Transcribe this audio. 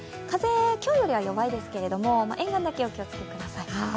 風、今日よりは弱いですけれども、沿岸だけお気をつけください。